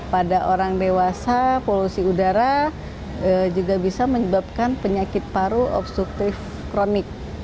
pada orang dewasa polusi udara juga bisa menyebabkan penyakit paru obstruktif kronik